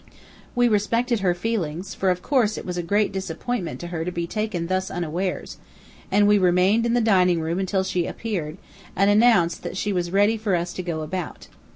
We respected her feelings, for, of course, it was a great disappointment to her to be taken thus unawares, and we remained in the dining room until she appeared, and announced that she was ready for us to go about.